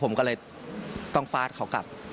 ผมก็เลยต้องฟาดเขากลับ